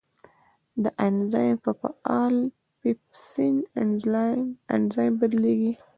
دا انزایم په فعال پیپسین انزایم بدلېږي.